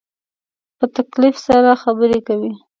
په تکلف سره خبرې کوې